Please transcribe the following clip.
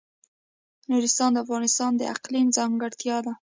نورستان د افغانستان د اقلیم ځانګړتیا ده.